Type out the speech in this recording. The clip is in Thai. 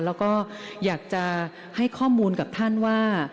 แล้วก็อยากจะให้ข้อมูลกับท่านว่า